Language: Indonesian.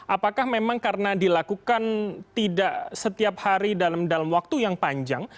apakah memang karena dilakukan tidak setiap hari dalam waktu yang panjang